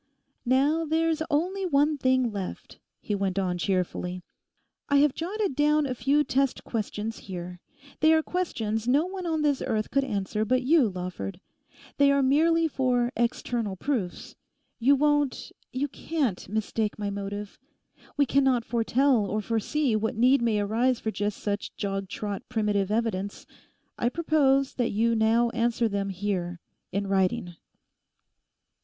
'Now there's only one thing left,' he went on cheerfully. 'I have jotted down a few test questions here; they are questions no one on this earth could answer but you, Lawford. They are merely for external proofs. You won't, you can't, mistake my motive. We cannot foretell or foresee what need may arise for just such jog trot primitive evidence. I propose that you now answer them here, in writing.